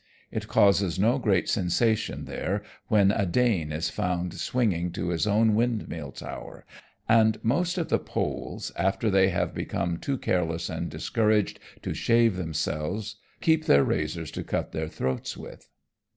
It causes no great sensation there when a Dane is found swinging to his own windmill tower, and most of the Poles after they have become too careless and discouraged to shave themselves keep their razors to cut their throats with.